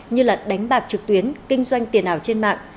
như đánh bạc trực tuyến kinh doanh tiền ảo trên mạng